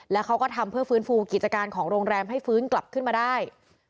แล้วเขาก็ทำเพื่อฟื้นฟูกิจการของโรงแรมให้ฟื้นกลับขึ้นมาได้